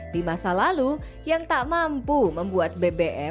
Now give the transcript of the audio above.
di masa lalu yang tak mampu membuat bbm